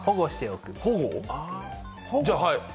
じゃあ、はい。